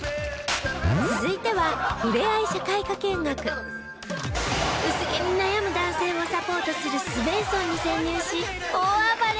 続いては薄毛に悩む男性をサポートするスヴェンソンに潜入し大暴れ！